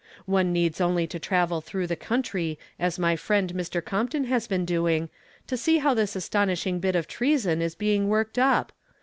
One needs only to travel through the country as my friend Mr. Compton has been doing to see how this astonishing bit of treason is being worked up.